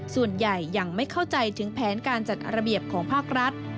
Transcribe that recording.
ส่วนใหญ่ยังไม่เข้าใจถึงแผนการจัดระเบียบของภาครัฐ